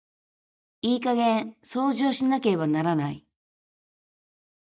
いい加減掃除をしなければならない。